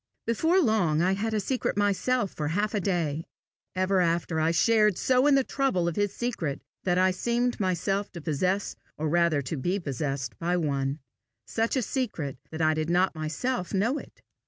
Before long, I had a secret myself for half a day: ever after, I shared so in the trouble of his secret, that I seemed myself to possess or rather to be possessed by one such a secret that I did not myself know it.